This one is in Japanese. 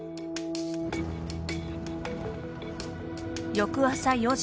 翌朝４時。